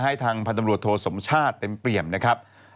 ให้ทางพันธบรวจโทสมชาติเต็มเปรียมนะครับ